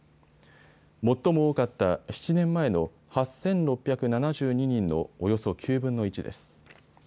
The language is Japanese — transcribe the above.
最も多かった７年前の８６７２人のおよそ９分の１です。